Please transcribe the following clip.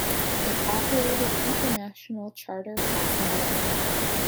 It operated international charter passenger service.